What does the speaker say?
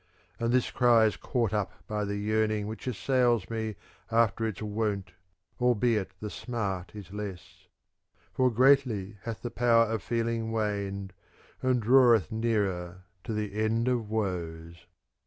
' And this cry is caught up by the yearning * which assails me after its wont albeit the smart is less ; for greatly hath the power of feeling waned, and draweth nearer to the end of woes.